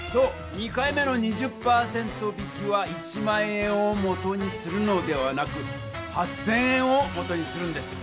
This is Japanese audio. ２回目の２０％引きは１００００円を元にするのではなく８０００円を元にするんです。